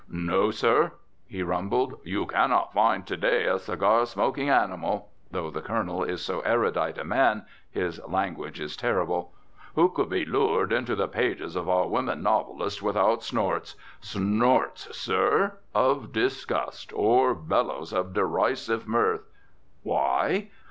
"No, sir," he rumbled, "you cannot find to day a cigar smoking animal" (though the Colonel is so erudite a man, his language is terrible) "who could be lured into the pages of our women novelists without snorts snorts, sir of disgust, or bellows of derisive mirth. Why?